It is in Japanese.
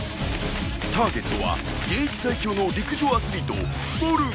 ターゲットは現役最強の陸上アスリートフォルト。